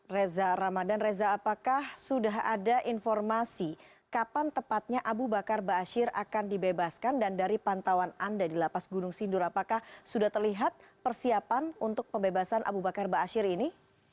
reza ramadan reza apakah sudah ada informasi kapan tepatnya abu bakar ⁇ baasyir ⁇ akan dibebaskan dan dari pantauan anda di lapas gunung sindur apakah sudah terlihat persiapan untuk pembebasan abu bakar ⁇ asyir ⁇ ini